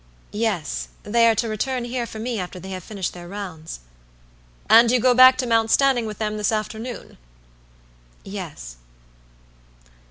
"Yes; they are to return here for me after they have finished their rounds." "And you go back to Mount Stanning with them this afternoon?" "Yes."